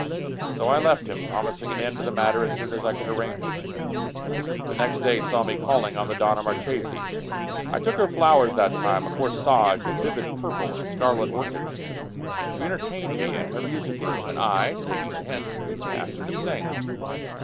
So I left him, promising an end to the matter as soon as I could arrange it. The next day saw me calling on the Donna Marchesi. I took her flowers that time, a corsage of vivid purple and scarlet orchids. She entertained me in her music room and I, taking the hint, asked her to sing.